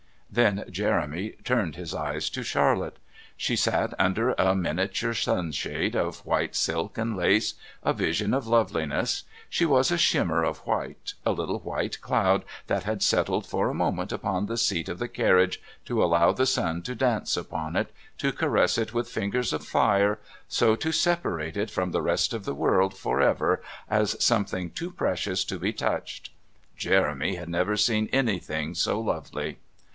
Then Jeremy turned his eyes to Charlotte. She sat under a miniature sunshade of white silk and lace, a vision of loveliness. She was a shimmer of white, a little white cloud that had settled for a moment upon the seat of the carriage to allow the sun to dance upon it, to caress it with fingers of fire, so to separate it from the rest of the world for ever as something too precious to be touched. Jeremy had never seen anything so lovely.